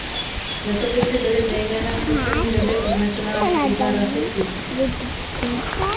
Letopisy byly zejména v poslední době označovány i za rasistické.